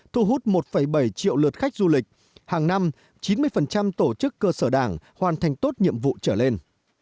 thu hút một bảy triệu lượt khách du lịch hàng năm chín mươi tổ chức cơ sở đảng hoàn thành tốt nhiệm vụ trở lên